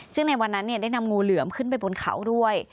ซึ่งในวันนั้นได้นำงูเหลือมขึ้นไปบนเขาด้วย